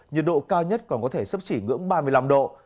nhiệt độ cao nhất còn có thể sắp chỉ ngưỡng ba mươi năm độ